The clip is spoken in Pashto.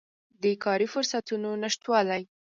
د کاري فرصتونو نشتوالی